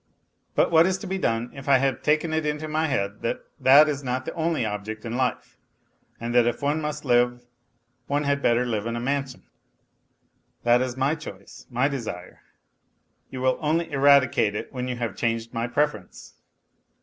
But what is to be done if I have taken it into my head that that is not the only object in life, and that if one must live one had better live in a mansion. That is my choice, my desire. You will only eradicate it when you have changed my preference